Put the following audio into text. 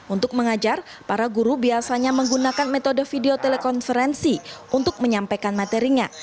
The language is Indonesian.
untuk mengajar para guru biasanya menggunakan metode video telekonferensi untuk menyampaikan materinya